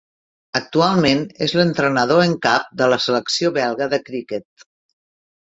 Actualment és l'entrenador en cap de la selecció belga de criquet.